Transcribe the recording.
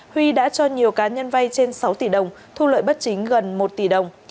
hơn nhiều cá nhân vay trên sáu tỷ đồng thu lợi bất chính gần một tỷ đồng